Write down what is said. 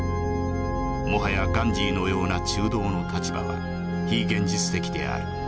もはやガンジーのような中道の立場は非現実的である。